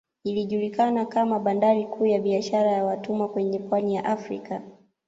Ilijulikana kama bandari kuu ya biashara ya watumwa kwenye pwani ya Afrika